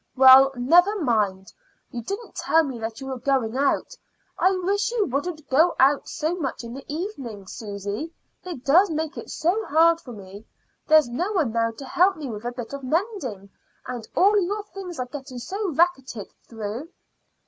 "Well, never mind. You didn't tell me that you were going out. I wish you wouldn't go out so much in the evening, Susy; it does make it so hard for me. There's no one now to help me with a bit of mending, and all your things are getting so racketed through."